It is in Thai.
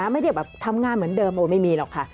ไม่ได้แบบทำงานเหมือนเดิมโอ้ไม่มีหรอกค่ะ